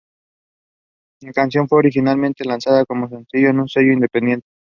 La canción fue originalmente lanzado como sencillo en un sello independiente.